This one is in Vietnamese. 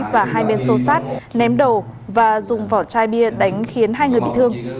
và hai bên xô sát ném đầu và dùng vỏ chai bia đánh khiến hai người bị thương